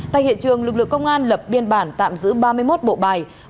tại hiện trường lực lượng công an lập biên bản tạm giữ ba mươi một bộ bài